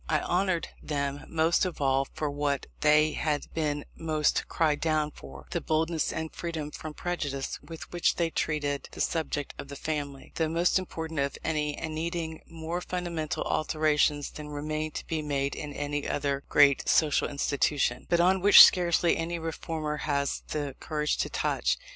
I honoured them most of all for what they have been most cried down for the boldness and freedom from prejudice with which they treated the subject of the family, the most important of any, and needing more fundamental alterations than remain to be made in any other great social institution, but on which scarcely any reformer has the courage to touch.